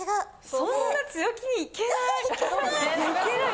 そんな強気にいけない！